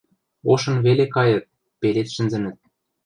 Ошын веле кайыт, пелед шӹнзӹнӹт.